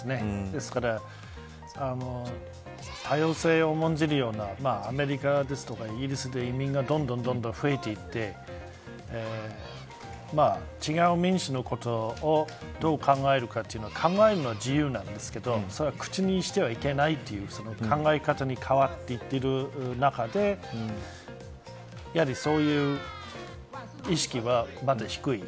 ですから多様性を重んじるようなアメリカとかイギリスで移民がどんどん増えていって違う人種のことをどう考えるかというのは考えるのは自由なんですけどそれは口にしてはいけないという考え方に変わっていっている中でやはり、そういう意識はまだ低い。